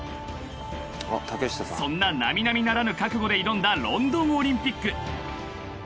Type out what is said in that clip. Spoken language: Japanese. ［そんな並々ならぬ覚悟で挑んだロンドンオリンピック］